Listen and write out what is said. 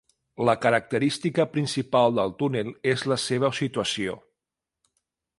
La característica principal del túnel és la seva situació.